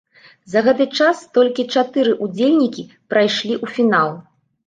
За гэты час толькі чатыры ўдзельнікі прайшлі ў фінал.